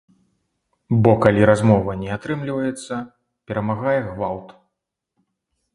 Бо калі размова не атрымліваецца, перамагае гвалт.